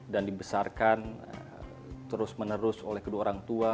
dan dibesarkan terus menerus oleh kedua orang tua